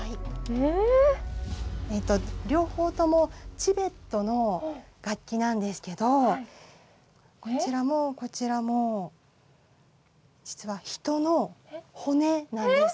えっと両方ともチベットの楽器なんですけどこちらもこちらも実は人の骨なんです。